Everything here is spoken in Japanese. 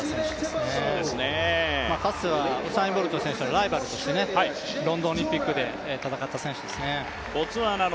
かつてはウサイン・ボルト選手のライバルとしてロンドンオリンピックで戦った選手ですね。